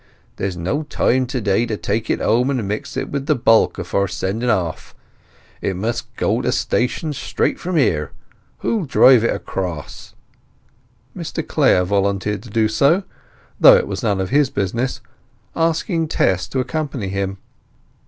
There's no time to day to take it home and mix it with the bulk afore sending off. It must go to station straight from here. Who'll drive it across?" Mr Clare volunteered to do so, though it was none of his business, asking Tess to accompany him.